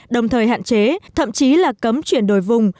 đồng thời hạn chế thậm chí là cấm chuyển đổi vùng